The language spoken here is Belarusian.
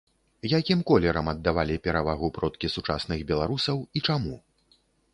Якім колерам аддавалі перавагу продкі сучасных беларусаў і чаму?